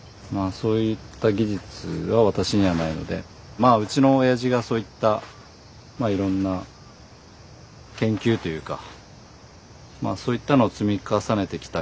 そういった技術は私にはないのでまあうちのおやじがそういったいろんな研究というかまあそういったのを積み重ねてきた結果だと思います。